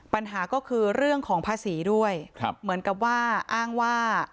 ปัญหาก็คือเรื่องของภาษีด้วยเหมือนกับว่าอ้างว่า